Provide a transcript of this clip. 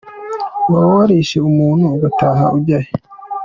Waba warishe umuntu ugataha ujya he ?